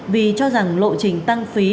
vì cho rằng lộ trình tăng phí